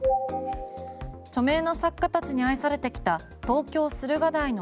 著名な作家たちに愛されてきた東京・駿河台の